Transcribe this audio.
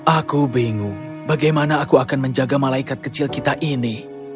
aku bingung bagaimana aku akan menjaga malaikat kecil kita ini